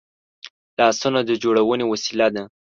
لاسونه د جوړونې وسیله ده